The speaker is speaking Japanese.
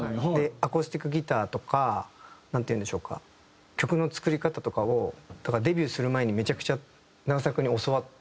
アコースティックギターとかなんていうんでしょうか曲の作り方とかをだからデビューする前にめちゃくちゃ長澤君に教わって。